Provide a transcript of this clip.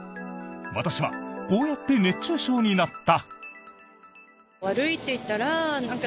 私はこうやって熱中症になった。